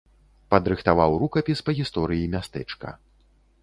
Падрыхтаваў рукапіс па гісторыі мястэчка.